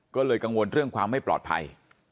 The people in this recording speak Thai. ก็เลยกังวลเรื่องความไม่ปลอดภัย